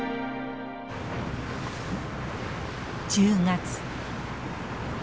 １０月。